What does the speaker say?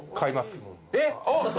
えっ。